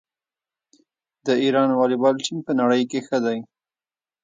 د ایران والیبال ټیم په نړۍ کې ښه دی.